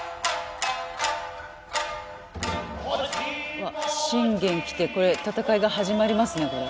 うわっ信玄来てこれ戦いが始まりますねこれ。